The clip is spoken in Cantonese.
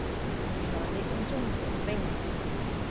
原來你咁鍾意傭兵